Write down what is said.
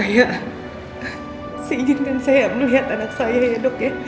saya izinkan saya melihat anak saya ya dok ya